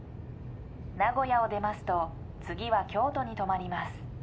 名古屋を出ますと次は京都に止まります。